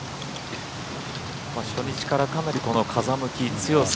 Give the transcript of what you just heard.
初日からかなり風向き、強さ